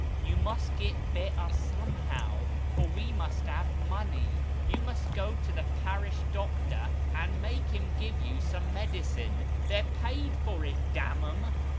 " You must get better somehow, for we must have money. You must go to the parish doctor, and make him give you some medicine. They're paid for it, damn 'em.